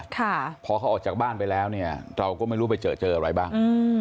ค่ะพอเขาออกจากบ้านไปแล้วเนี่ยเราก็ไม่รู้ไปเจอเจออะไรบ้างอืม